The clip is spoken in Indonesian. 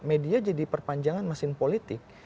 media jadi perpanjangan mesin politik